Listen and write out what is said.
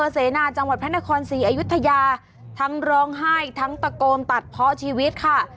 เสนาจังหวัดพระนครศรีอยุธยาทั้งร้องไห้ทั้งตะโกนตัดเพาะชีวิตค่ะ